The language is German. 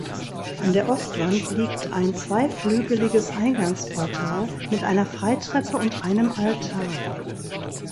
An der Ostwand liegt ein zweiflügeliges Eingangsportal mit einer Freitreppe und einem Altan.